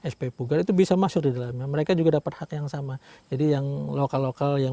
sp pugar itu bisa masuk di dalamnya mereka juga dapat hak yang sama jadi yang lokal lokal yang